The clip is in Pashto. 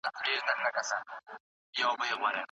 موږ باید په ټولنیز واقعیت ځان پوه کړو.